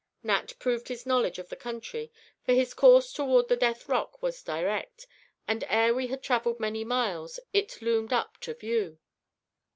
Nat proved his knowledge of the country, for his course toward the Death Rock was direct, and, ere we had traveled many miles it loomed up to view.